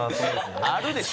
あるでしょ。